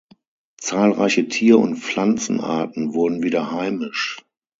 Zahlreiche Tier- und Pflanzenarten wurden wieder heimisch.